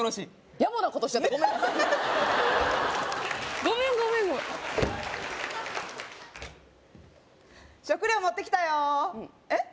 ヤボなことしちゃったごめんなさいごめんごめんごめん食料持ってきたよえっ？